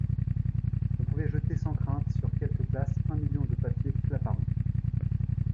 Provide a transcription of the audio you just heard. On pouvait jeter sans crainte sur quelques places un million de papier Claparon.